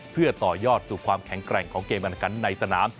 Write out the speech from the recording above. เพื่อต่อยอดสู่ความแข็งแกร่งของเกมการขันในสนาม